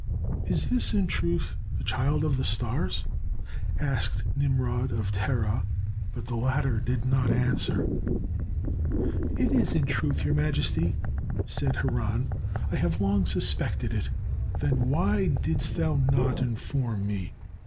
"Is this, in truth, the child of the stars?" asked Nimrod, of Terah, but the latter did not answer. "It is in truth, your majesty," said Haran. "I have long suspected it." "Then why didst thou not inform me?"